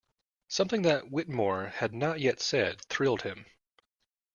Something that Whittemore had not yet said thrilled him.